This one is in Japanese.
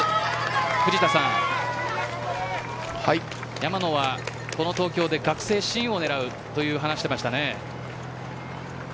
山野はこの東京で学生新を狙うと話していましたね。